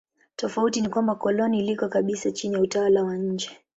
Tofauti ni kwamba koloni liko kabisa chini ya utawala wa nje.